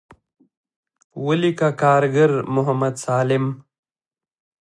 وليکه کارګر محمد سالم.